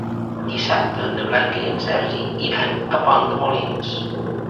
Dissabte na Blanca i en Sergi iran a Pont de Molins.